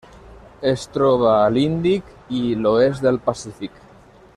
Es troba a l'Índic i l'oest del Pacífic.